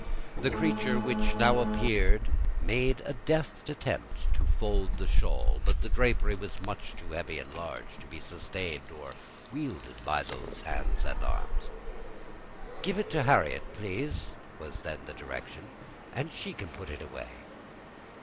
The creature which now appeared made a deft attempt to fold the shawl; but the drapery was much too heavy and large to be sustained or wielded by those hands and arms. "Give it to Harriet, please," was then the direction, "and she can put it away."